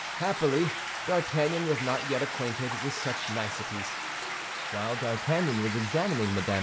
Happily, D'Artagnan was not yet acquainted with such niceties. While D'Artagnan was examining Mme.